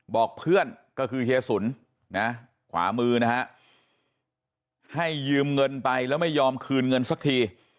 บอกเพื่อนก็คือเฮียสุนนะขวามือนะฮะให้ยืมเงินไปแล้วไม่ยอมคืนเงินสักที